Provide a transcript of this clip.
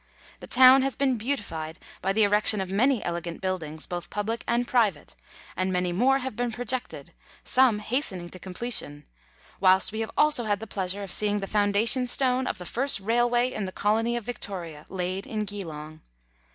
The town has been beautified by the erection of many elegant buildings, both public and private, and many more have been projected, some hastening to completion ; whilst we have also had the pleasure of seeing the foundation stone of the first railway in the Colony of Victoria laid in Geelong.